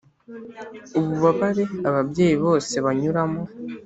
ububabare ababyeyi bose banyuramo,